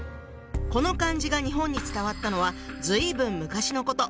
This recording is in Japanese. この漢字が日本に伝わったのは随分昔のこと。